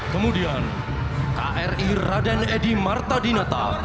kemudian kri raden edy marta dinata